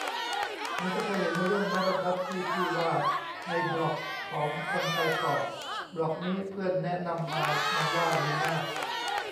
เหมือนจะเคยเห็นเรื่องไม้บรรทัดที่พี่ว่า ในบล็อกของคนชายขอบ บล็อกนี้เพื่อนแนะนำมา มันว่าดีมาก